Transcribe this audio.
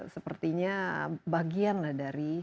sepertinya bagian dari